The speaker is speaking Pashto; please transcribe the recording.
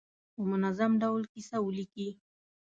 په منظم ډول کیسه ولیکي.